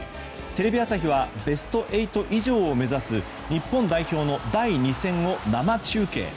テレビ朝日はベスト８以上を目指す日本代表の第２戦を生中継。